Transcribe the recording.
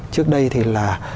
trước đây thì là